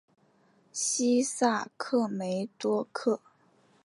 西萨克梅多克。